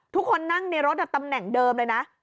ทุกคนนั่งในรถตำแหน่งเดิมเลยนะ